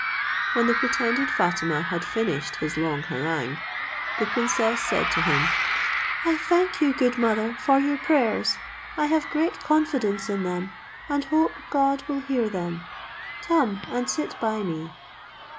When the pretended Fatima had finished his long harangue, the princess said to him, "I thank you, good mother, for your prayers: I have great confidence in them, and hope God will hear them. Come, and sit by me."